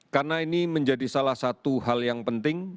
karena ini menjadi salah satu hal yang penting